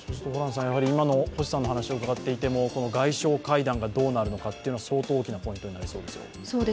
今の星さんの話を伺っていても、外相会談がどうなるのかというのは相当大きなポイントになりそうですよ。